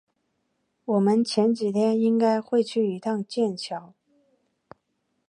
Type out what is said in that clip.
我们前几天应该会去一趟剑桥